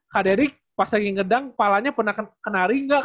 kak dery pas lagi ngedang kepalanya pernah kenari gak